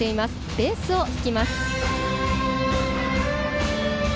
ベースを弾きます。